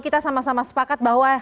kita sama sama sepakat bahwa